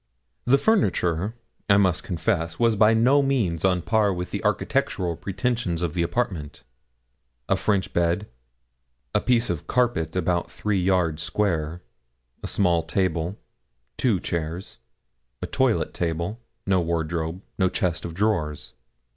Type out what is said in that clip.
The furniture, I must confess, was by no means on a par with the architectural pretensions of the apartment. A French bed, a piece of carpet about three yards square, a small table, two chairs, a toilet table no wardrobe no chest of drawers.